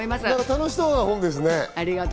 楽しそうな本ですね。